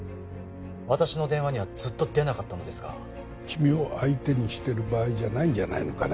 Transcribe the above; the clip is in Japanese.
私の電話にはずっと出なかったのですが君を相手にしてる場合じゃないんじゃないのかね